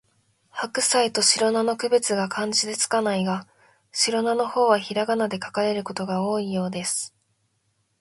ハクサイとシロナの区別が漢字で付かないが、シロナの方はひらがなで書かれることが多いようです